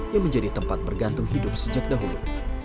yang menjadi tempat bergantung hidup sejak dahulu